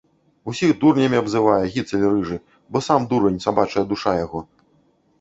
Усіх дурнямі абзывае, гіцаль рыжы, бо сам дурань, сабачая душа яго!